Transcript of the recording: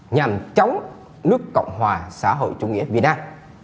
nhằm chống nước cộng hòa xã hội chủ nghĩa việt nam